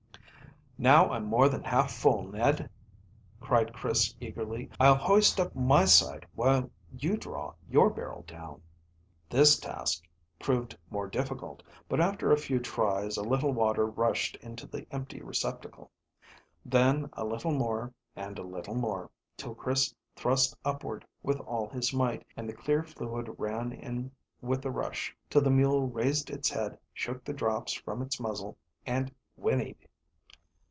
"Now I'm more than half full, Ned," cried Chris eagerly. "I'll hoist up my side while you draw your barrel down." This task proved more difficult, but after a few tries a little water rushed into the empty receptacle. Then a little more and a little more, till Chris thrust upward with all his might, and the clear fluid ran in with a rush, till the mule raised its head, shook the drops from its muzzle, and whinnied.